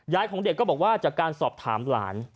ของเด็กก็บอกว่าจากการสอบถามหลาน